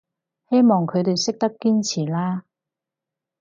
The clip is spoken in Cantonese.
希望佢哋識得堅持啦